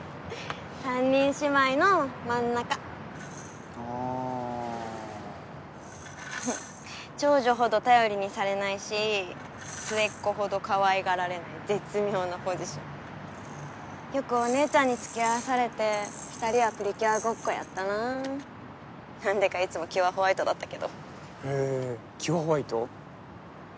３人姉妹の真ん中あぁ長女ほど頼りにされないし末っ子ほどかわいがられない絶妙なポジションよくお姉ちゃんにつきあわされてふたりはプリキュアごっこやったななんでかいつもキュアホワイトだったけどへぇキュアホワイト？